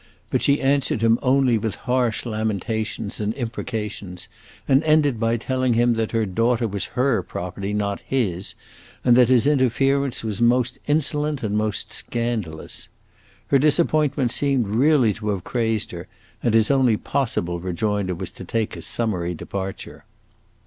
But she answered him only with harsh lamentations and imprecations, and ended by telling him that her daughter was her property, not his, and that his interference was most insolent and most scandalous. Her disappointment seemed really to have crazed her, and his only possible rejoinder was to take a summary departure.